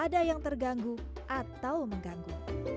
ada yang terganggu atau mengganggu